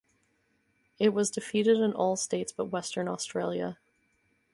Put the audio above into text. It was defeated in all states but Western Australia.